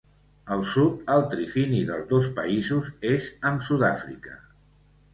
Al sud, el trifini dels dos països és amb Sud-àfrica.